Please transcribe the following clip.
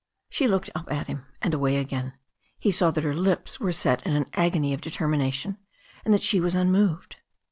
She looked up at him and away again. He saw that her lips were set in an agony of determination^ and that she was unmoved.